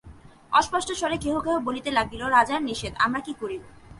অস্পষ্ট স্বরে কেহ কেহ বলিতে লাগিল, রাজার নিষেধ, আমরা কী করিব!